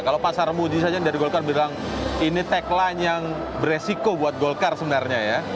kalau pasar muji saja dari golkar bilang ini tagline yang beresiko buat golkar sebenarnya ya